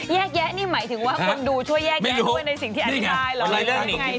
แยกแยะนี่หมายถึงว่าคนดูช่วยแยกแยะทุกคนในสิ่งที่อธิบายหรอ